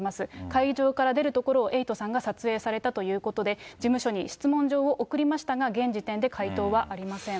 会場から出るところをエイトさんが撮影されたということで、事務所に質問状を送りましたが、現時点で回答はありません。